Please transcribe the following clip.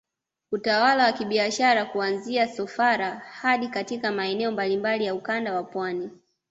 Utawala wa kibiashara kuanzia Sofara hadi katika maeneo mbalimbali ya Ukanda wa Pwani